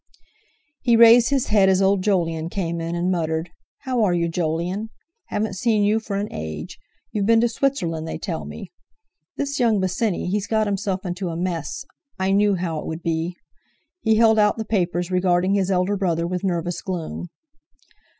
He raised his head as old Jolyon came in, and muttered: "How are you, Jolyon? Haven't seen you for an age. You've been to Switzerland, they tell me. This young Bosinney, he's got himself into a mess. I knew how it would be!" He held out the papers, regarding his elder brother with nervous gloom.